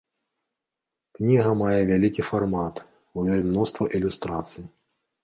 Кніга мае вялікі фармат, у ёй мноства ілюстрацый.